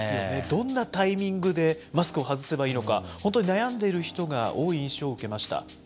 どんなタイミングで、マスクを外せばいいのか、本当に悩んでいる人が多い印象を受けました。